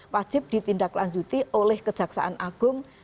wajib ditindaklanjuti oleh kejaksaan agung